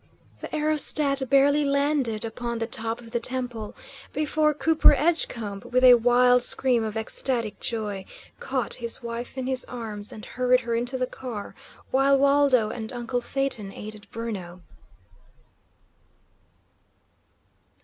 The aerostat barely landed upon the top of the temple, before Cooper Edgecombe, with a wild scream of ecstatic joy, caught his wife in his arms and hurried her into the car, while Waldo and uncle Phaeton aided Bruno.